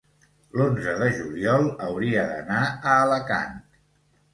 L'onze de juliol hauria d'anar a Alacant.